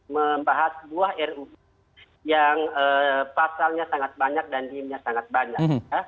membahas buah ruu yang pasalnya sangat banyak dan diemnya sangat banyak